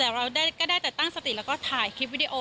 แต่เราก็ได้แต่ตั้งสติแล้วก็ถ่ายคลิปวิดีโอ